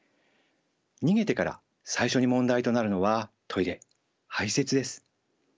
逃げてから最初に問題となるのはトイレ排泄です。